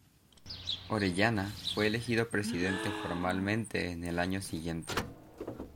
Orellana fue elegido presidente formalmente el año siguiente.